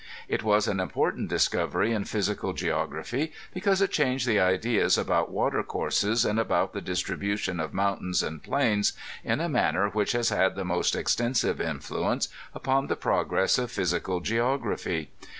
It was an important discovery in physical geography, because it changed the ideas about water courses and about the distribution of moun tains and plains in a manner which has had the most extensive influence upon the progress of physical geography.